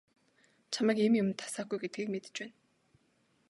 Чамайг ийм юманд дасаагүй гэдгийг мэдэж байна.